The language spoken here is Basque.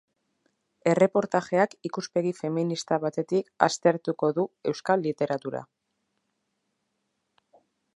Erreportajeak ikuspegi feminista batetik aztertuko du euskal literatura.